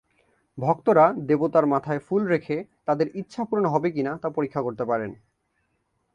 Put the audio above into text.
ভক্তরা দেবতার মাথায় ফুল রেখে তাদের ইচ্ছা পূরণ হবে কিনা তা পরীক্ষা করতে পারেন।